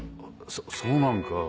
そそうなんか。